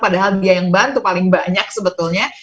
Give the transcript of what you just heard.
padahal dia yang bantu paling banyak sebetulnya